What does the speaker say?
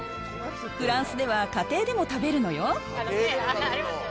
フランスでは家庭でも食べるのよ。